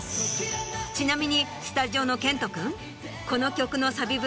ちなみにスタジオの健人君。